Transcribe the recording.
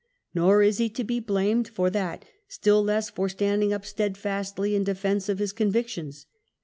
Nor is he to be blamed for that, still less for standing up steadfastly in defence of his convictions.